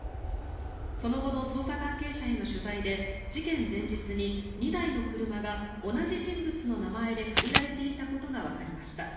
その後の捜査関係者への取材で事件前日に２台の車が同じ人物の名前で借りられていたことがわかりました。